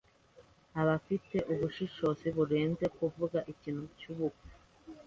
Afite ubushishozi burenze kuvuga ikintu cyubupfu.